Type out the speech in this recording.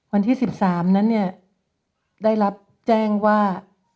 วันที่๑๓นั้นเนี่ยได้รับแจ้งว่า